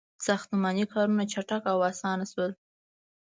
• ساختماني کارونه چټک او آسان شول.